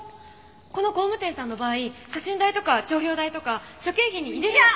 この工務店さんの場合写真代とか帳票代とか諸経費に入れ。